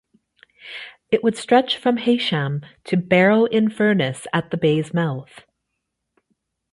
It would stretch from Heysham to Barrow-in-Furness, at the bay's mouth.